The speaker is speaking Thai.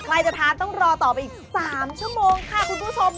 ใครจะทานต้องรอต่อไปอีก๓ชั่วโมงค่ะคุณผู้ชม